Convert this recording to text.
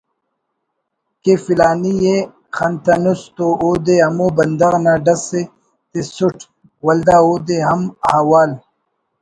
کہ فلانی ءِ خنتنس تو اودے ہمو بندغ نا ڈسءِ تسُٹ ولدا اودے ہم حوال